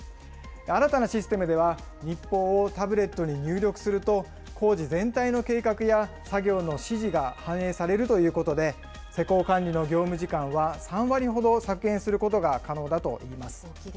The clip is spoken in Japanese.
新たなシステムでは、日報をタブレットに入力すると、工事全体の計画や作業の指示が反映されるということで、施工管理の業務時間は３割ほど削減することが可能だといいます。